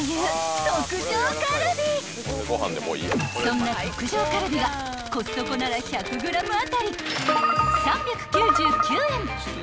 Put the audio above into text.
［そんな特上カルビがコストコなら１００ｇ当たり３９９円］